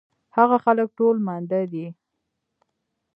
هغه خلک ټول ماندۀ دي